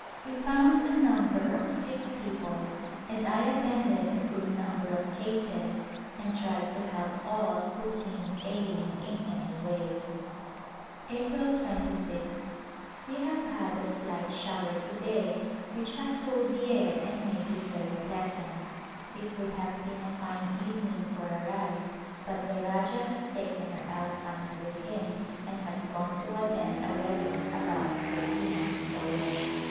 We found a number of sick people and I attended a good number of cases and tried to help all who seemed ailing in any way. April 26th. We have had a slight shower to day which has cooled the air and made it very pleasant. This would have been a fine evening for a ride but the Rajah has taken our elephant with him and has gone to attend a wedding about thirty miles away.